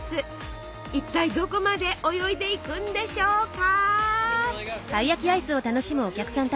一体どこまで泳いでいくんでしょうか？